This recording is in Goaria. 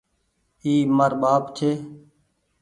اي مآر ٻآپ ڇي۔